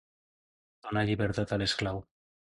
Donar llibertat a l'esclau.